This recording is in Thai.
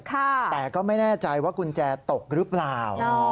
แต่ก็ไม่แน่ใจว่ากุญแจตกหรือเปล่า